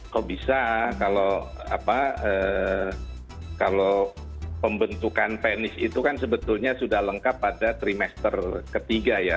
kok bisa kalau pembentukan penis itu kan sebetulnya sudah lengkap pada trimester ketiga ya